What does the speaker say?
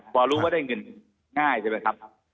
พอรู้ว่าได้เงินง่ายใช่ไหมครับ